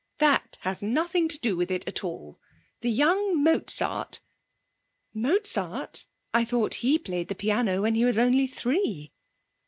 'That has nothing to do with it at all. The young Mozart ' 'Mozart? I thought he played the piano when he was only three?'